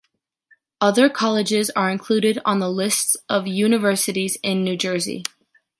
Other colleges are included on the list of universities in New Jersey.